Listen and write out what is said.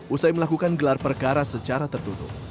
usai melakukan gelar perkara secara tertutup